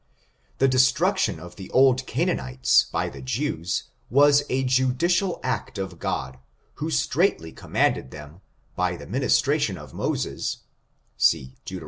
The destruction of the old Canaanites, by the Jews, was a judicial act of God, who straightly command ed them, by the ministration of Moses (see Deut.